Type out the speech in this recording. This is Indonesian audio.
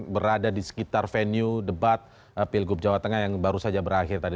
berada di sekitar venue debat pilgub jawa tengah yang baru saja berakhir tadi